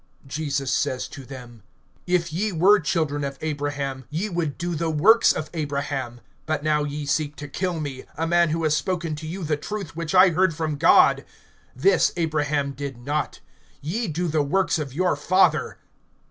Jesus says to them: If ye were children of Abraham, ye would do the works of Abraham. (40)But now ye seek to kill me, a man who has spoken to you the truth, which I heard from God. This Abraham did not. (41)Ye do the works of your father.